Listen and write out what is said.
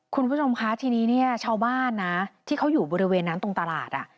คุณผู้ชมคะทีนี้เนี่ยชาวบ้านนะที่เขาอยู่บริเวณนั้นตรงตลาด